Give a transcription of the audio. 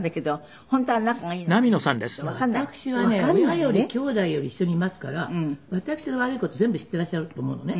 親よりきょうだいより一緒にいますから私の悪い事全部知っていらっしゃると思うのね。